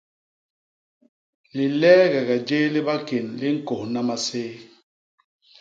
Lileegege jéé li bakén li ñkônha maséé.